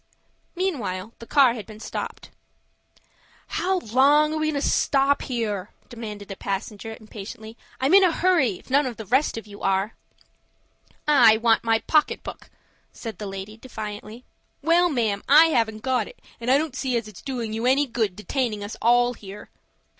Meanwhile the car had been stopped. "How long are we going to stop here?" demanded a passenger, impatiently. "I'm in a hurry, if none of the rest of you are." "I want my pocket book," said the lady, defiantly. "Well, ma'am, I haven't got it, and I don't see as it's doing you any good detaining us all here."